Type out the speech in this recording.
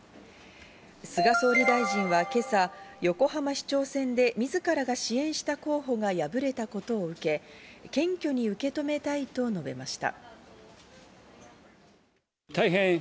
菅総理大臣は今朝、横浜市長選でみずからが支援した候補が敗れたことを受け、謙虚に受け止めたいと述べました。